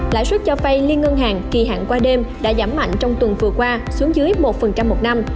lãi suất cho vay liên ngân hàng kỳ hạn qua đêm đã giảm mạnh trong tuần vừa qua xuống dưới một một năm